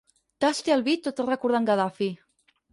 Tasti el vi tot recordant Gadafi.